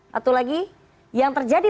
satu lagi yang terjadi